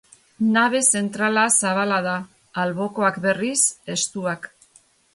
Nabe zentrala zabala da, albokoak berriz, estuak.